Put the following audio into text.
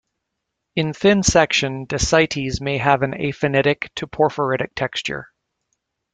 In thin section, dacites may have an aphanitic to porphyritic texture.